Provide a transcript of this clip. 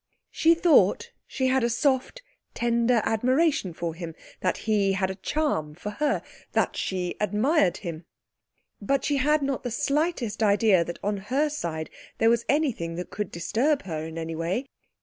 She thought she had a soft, tender admiration for him, that he had a charm for her; that she admired him. But she had not the slightest idea that on her side there was anything that could disturb her in any way.